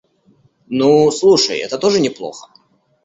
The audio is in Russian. Ну, слушай, это тоже неплохо.